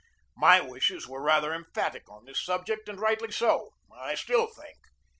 My wishes were rather emphatic on this subject, and rightly so, I still think.